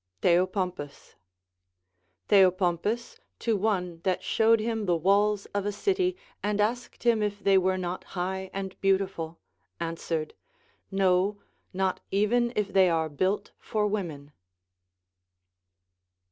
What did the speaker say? Theopompus. Theopompus, to one that slioAved him tlie walls of a city, and asked him if they were not high and 218 THE APOPIITIIEGMS OF KINGS beautiful, answered, No, not even if they are built for women.